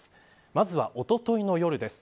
まずは、おとといの夜です。